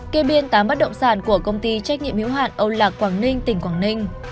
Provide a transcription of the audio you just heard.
kê biên tám bắt động sản của công ty trách nhiệm hữu hạn âu lạc quảng ninh tỉnh quảng ninh